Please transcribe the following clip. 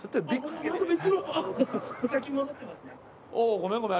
ごめんごめん。